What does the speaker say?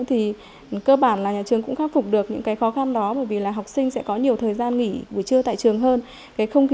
thì cơ bản là nhà trường cũng khắc phục được những cái khó khăn đó bởi vì là học sinh sẽ có nhiều thời gian nghỉ buổi trưa tại trường hơn